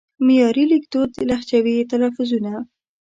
معیاري لیکدود لهجوي تلفظونه